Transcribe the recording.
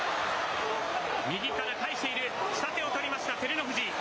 右からかえしている、下手を取りました、照ノ富士。